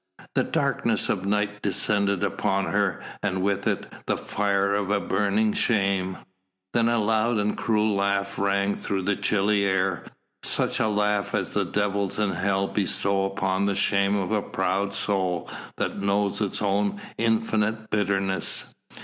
The darkness of night descended upon her, and with it the fire of a burning shame. Then a loud and cruel laugh rang through the chilly air, such a laugh as the devils in hell bestow upon the shame of a proud soul that knows its own infinite bitterness.